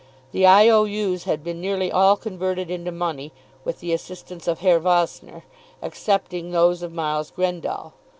The I. O. U.'s had been nearly all converted into money, with the assistance of Herr Vossner, excepting those of Miles Grendall.